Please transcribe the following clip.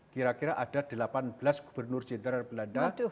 kira kira ada delapan belas gubernur jenderal belanda